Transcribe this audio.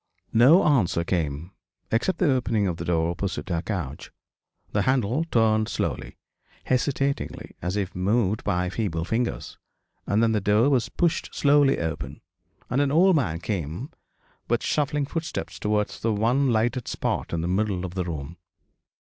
No answer came, except the opening of the door opposite her couch. The handle turned slowly, hesitatingly, as if moved by feeble fingers; and then the door was pushed slowly open, and an old man came with shuffling footsteps towards the one lighted spot in the middle of the room.